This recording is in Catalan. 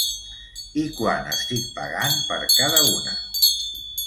I quant estic pagant per cada una?